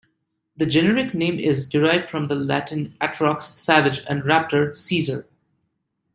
The generic name is derived from the Latin "atrox", "savage", and "raptor", "seizer".